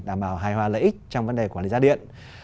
đảm bảo hài hòa lợi ích trong vấn đề quản lý giá điện